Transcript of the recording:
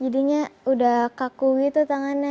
jadinya udah kaku gitu tangannya